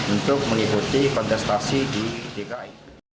untuk mengikuti kontestasi di dki